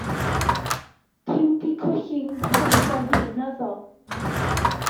Ti'm 'di colli nghrysa fi, naddo?